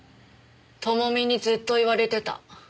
智美にずっと言われてた。